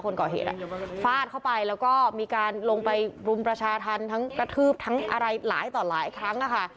คนก่อเหตุฟาดเข้าไปแล้วก็มีการลงไปรุมประชาธรรมทั้งกระทืบทั้งอะไรหลายต่อหลายครั้ง